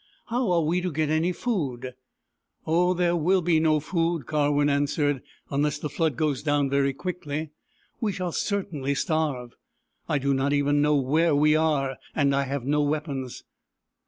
" How are we to get any food ?"" Oh, there will be no food," Karwin answered. " Unless the flood goes down very quickly, we shall certainly starve. I do not even know where we are, and I have no weapons.